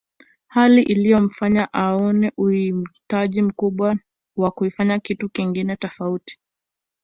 Hali iliyomfanya aone uhitaji mkubwa wa kufanya kitu kingine tofauti